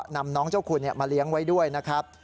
นำน้องเจ้าคุณมาเลี้ยงไว้ด้วยนะครับ